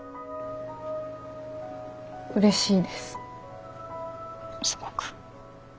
うれしいですすごく。